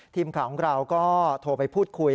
ทีมข่าวของเราก็โทรไปพูดคุย